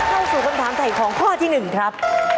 เข้าสู่คำถามถ่ายของข้อที่๑ครับ